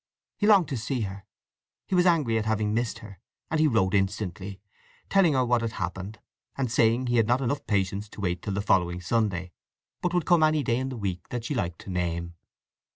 He longed to see her; he was angry at having missed her: and he wrote instantly, telling her what had happened, and saying he had not enough patience to wait till the following Sunday, but would come any day in the week that she liked to name.